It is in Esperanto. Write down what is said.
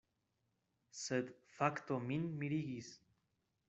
Sed fakto min mirigis.